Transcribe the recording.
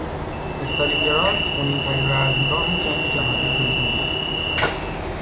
استالینگراد خونینترین رزمگاه جنگ جهانی دوم بود.